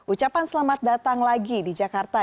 ucapan selamat datang lagi di jakarta